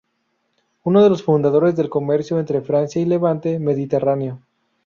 Uno de los fundadores del comercio entre Francia y el Levante mediterráneo.